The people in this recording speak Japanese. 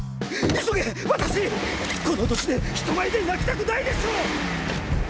この年で人前で泣きたくないでしょ！